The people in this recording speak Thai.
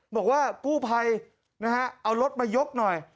บอกว่ากู้ภัยนะฮะเอารถมายกหน่อย